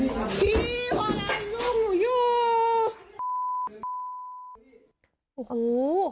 พี่อะไรอยู่